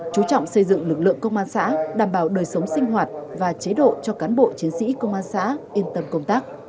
chú trọng xây dựng lực lượng công an xã đảm bảo đời sống sinh hoạt và chế độ cho cán bộ chiến sĩ công an xã yên tâm công tác